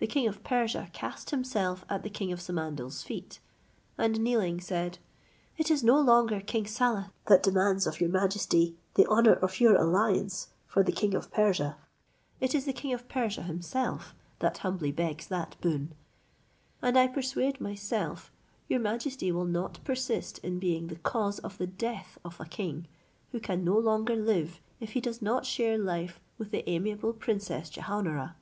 The king of Persia cast himself at the king of Samandal's feet, and, kneeling, said, "It is no longer King Saleh that demands of your majesty the honour of your alliance for the king of Persia; it is the king of Persia himself that humbly begs that boon; and I persuade myself your majesty will not persist in being the cause of the death of a king, who can no longer live if he does not share life with the amiable Princess Jehaun ara."